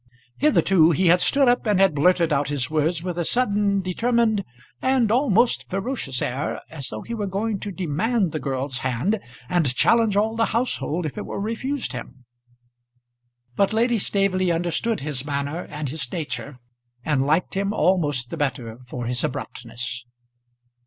Hitherto he had stood up, and had blurted out his words with a sudden, determined, and almost ferocious air, as though he were going to demand the girl's hand, and challenge all the household if it were refused him. But Lady Staveley understood his manner and his nature, and liked him almost the better for his abruptness.